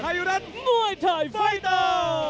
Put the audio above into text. ไทยยุทัศน์มวยไทยไฟเตอร์